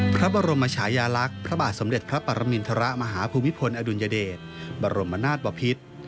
พระบรมชายาลักษณ์พระบาทสมเด็จพระปรมินทรมาฮภูมิพลอดุลยเดชบรมนาศบพิษ